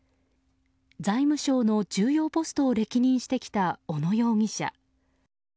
財務省の重要ポストを歴任してきた小野容疑者。